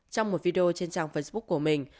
trong một video trên trang facebook của mình